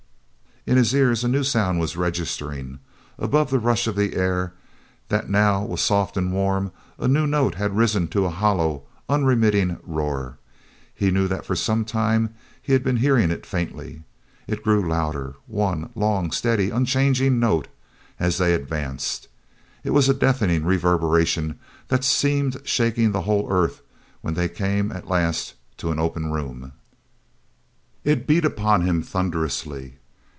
In his ears a new sound was registering. Above the rush of the air, that now was soft and warm, a new note had risen to a hollow, unremitting roar. He knew that for some time he had been hearing it faintly. It grew louder, one long, steady, unchanging note, as they advanced. It was a deafening reverberation that seemed shaking the whole earth when they came at last to an open room. It beat upon him thunderously.